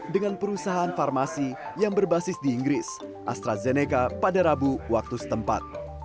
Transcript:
dengan perusahaan farmasi yang berbasis di inggris astrazeneca pada rabu waktu setempat